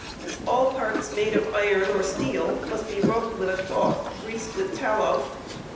All parts made of iron or steel must be rubbed with a cloth greased with tallow.